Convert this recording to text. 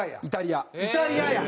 イタリアや。